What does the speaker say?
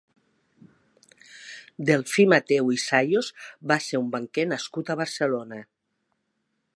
Delfí Mateu i Sayos va ser un banquer nascut a Barcelona.